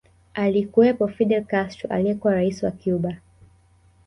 Alikuwepo Fidel Castro aliyekuwa rais wa Cuba